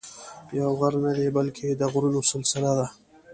یو غر نه دی بلکې د غرونو سلسله ده.